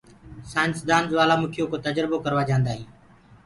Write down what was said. سآئينسدآن جوآلآ مِکيو ڪو تجربو ڪورآ جآندآ هينٚ